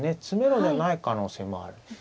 詰めろじゃない可能性もある。